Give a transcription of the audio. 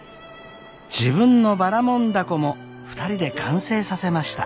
自分のばらもん凧も２人で完成させました。